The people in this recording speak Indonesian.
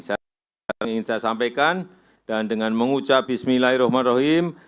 saya ingin saya sampaikan dan dengan mengucap bismillahirrahmanirrahim